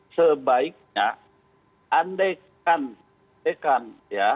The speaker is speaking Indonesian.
sebaiknya andai kan andai kan ya